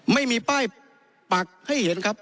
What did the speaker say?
ไม่มีป้ายปักให้เห็นครับ